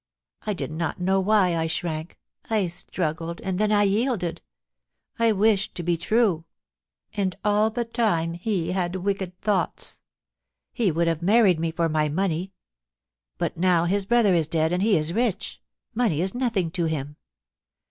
I did not know why I shrank— I struggled, and then I yielded ; I wished to be true. ... And all the time he had wicked thoughts. He would have married me for my money ... but now Ws brother is dead and he is rich, money is nothing to him.